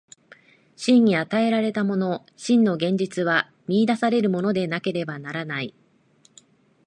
真に与えられたもの、真の現実は見出されるものでなければならない。